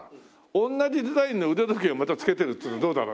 同じデザインの腕時計をまた着けてるっていうのどうだろう？